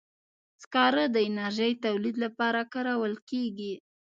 سکاره د انرژي تولید لپاره کارول کېږي.